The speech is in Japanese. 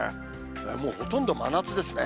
もうほとんど真夏ですね。